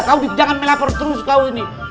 kau jangan melapor terus kau ini